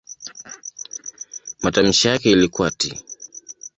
Matamshi yake ilikuwa "t".